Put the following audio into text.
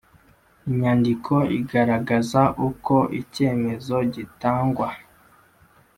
Inyandiko igaragaza uko icyemezo gitangwa